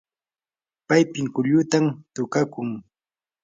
pay pinkullutam tukakun.